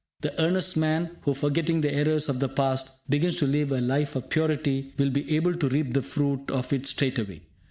The earnest man who, forgetting the errors of the past, begins to live a life of purity will be able to reap the fruit of it straightway.